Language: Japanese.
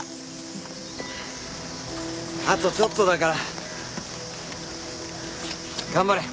あとちょっとだから頑張れ。